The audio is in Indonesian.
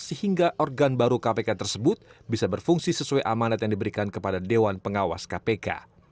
sehingga organ baru kpk tersebut bisa berfungsi sesuai amanat yang diberikan kepada dewan pengawas kpk